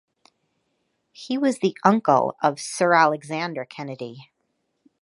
He was the uncle of Sir Alexander Kennedy.